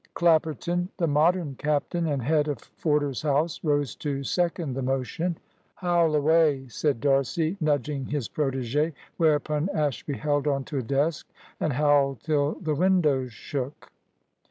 Clapperton, the Modern captain, and head of Forder's house, rose to second the motion. "Howl away!" said D'Arcy, nudging his protege. Whereupon Ashby held on to a desk and howled till the windows shook.